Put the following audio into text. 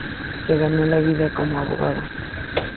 Se ganó la vida como abogado.